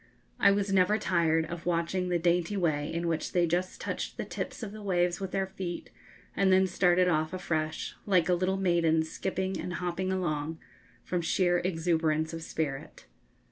I was never tired of watching the dainty way in which they just touched the tips of the waves with their feet, and then started off afresh, like a little maiden skipping and hopping along, from sheer exuberance of spirit.